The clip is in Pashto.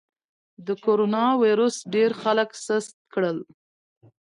د کرونا ویروس ډېر خلک سټ کړل.